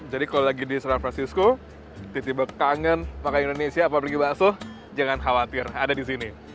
jadi kalau lagi di san francisco tiba tiba kangen pakai indonesia atau pergi bakso jangan khawatir ada di sini